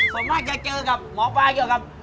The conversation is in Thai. ส่วนมากจะเจอกับหมอปลาเกี่ยวกับ